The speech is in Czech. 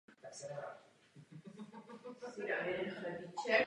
Všechny své zakázky a projekty vždy vykonával s obrovských pracovním nasazením.